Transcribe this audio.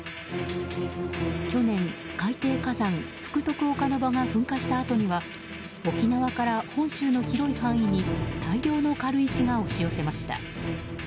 去年、海底火山福徳岡ノ場が噴火したあとには沖縄から本州の広い範囲に大量の軽石が押し寄せました。